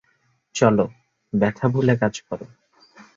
চলো, ব্যাথা ভুলে কাজ করো।